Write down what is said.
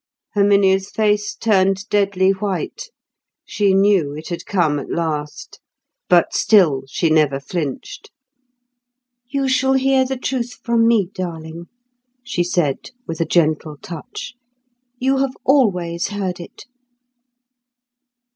Herminia's face turned deadly white; she knew it had come at last. But still she never flinched. "You shall hear the truth from me, darling," she said, with a gentle touch. "You have always heard it."